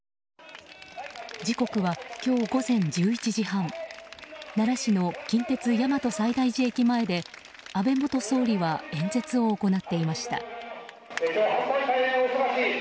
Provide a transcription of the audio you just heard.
時刻は今日午前１１時半奈良市の近鉄大和西大寺駅前で安倍元総理は演説を行っていました。